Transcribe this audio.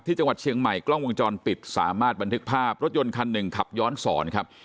จังหวัดเชียงใหม่กล้องวงจรปิดสามารถบันทึกภาพรถยนต์คันหนึ่งขับย้อนสอนครับ